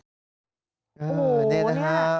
โอ้โฮนี่นะครับ